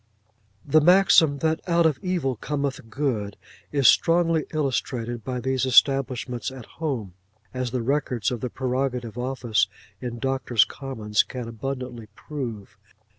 The maxim that out of evil cometh good, is strongly illustrated by these establishments at home; as the records of the Prerogative Office in Doctors' Commons can abundantly prove.